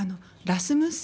ラスムス？